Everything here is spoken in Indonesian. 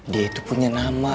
dia itu punya nama